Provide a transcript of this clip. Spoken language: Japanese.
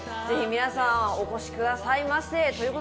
皆さん、お越しくださいませ。